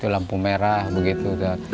lampu merah begitu